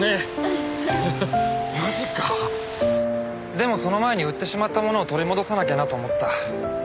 でもその前に売ってしまったものを取り戻さなきゃなと思った。